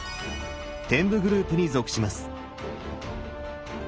天部グループに属します。